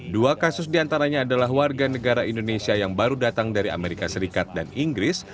dua kasus diantaranya adalah warga negara indonesia yang baru datang dari amerika serikat dan inggris